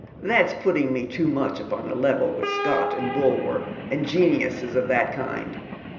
•' That> putting me too much upon a level with Scott and Bulwer, and geniuses of that kind.